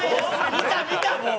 見た、見た、もう！